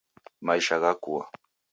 Maisha ghakua